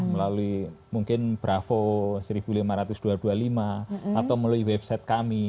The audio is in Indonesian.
melalui mungkin bravo seribu lima ratus dua ratus dua puluh lima atau melalui website kami